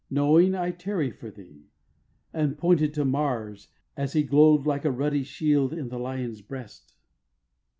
Knowing I tarry for thee,' and pointed to Mars As he glow'd like a ruddy shield on the Lion's breast.